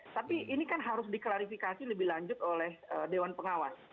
tapi ini kan harus diklarifikasi lebih lanjut oleh dewan pengawas